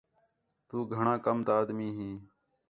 تُو گھݨاں کم تا آدمی ہیں